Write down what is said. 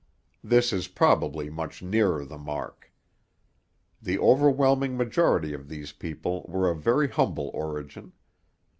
This is probably much nearer the mark. The overwhelming majority of these people were of very humble origin.